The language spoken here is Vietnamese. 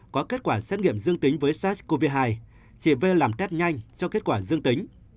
có kết quả xét nghiệm dương tính với sars cov hai chỉ v làm test nhanh cho kết quả dương tính